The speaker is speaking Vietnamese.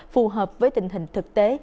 phù hợp với tình hình thực tế